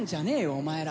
お前ら。